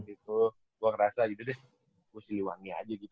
itu gua ngerasa gitu deh gua siliwangi aja gitu